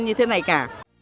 như thế này cả